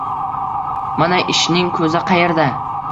Mana, ishning ko‘zi qayerda?!